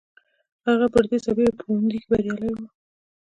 هغه پر دې سربېره په ښوونځي کې بریالی و